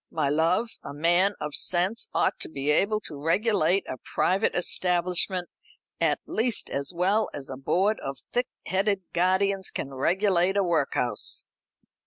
"My love, a man of sense ought to be able to regulate a private establishment at least as well as a board of thick headed guardians can regulate a workhouse."